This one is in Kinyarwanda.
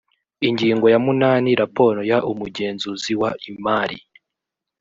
ingingo ya munani raporo y umugenzuzi w imari